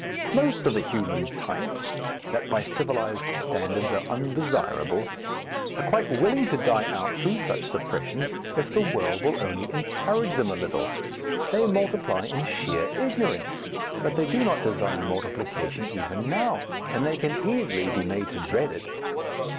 Most of the human types, that by civilized standards are undesirable, are quite willing to die out through such suppressions if the world will only encourage them a little. They multiply in sheer ignorance, but they do not desire multiplication even now, and they can easily be made to dread it.